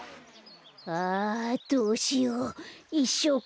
あどうしよういっしょう